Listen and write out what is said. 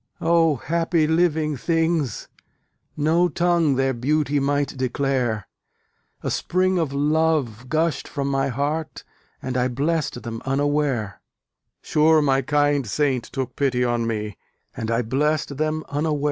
O happy living things! no tongue Their beauty might declare: A spring of love gushed from my heart, And I blessed them unaware: Sure my kind saint took pity on me, And I blessed them unaware.